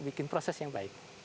bikin proses yang baik